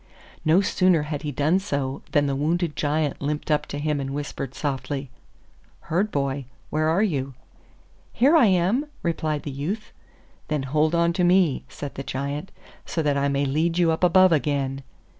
No sooner had he done so than the wounded Giant limped up to him and whispered softly, 'Herd boy, where are you?' 'Here I am,' replied the youth. 'Then hold on to me,' said the Giant, 'so that I may lead you up above again.